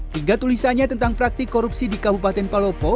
tiga tulisannya tentang praktik korupsi di kabupaten palopo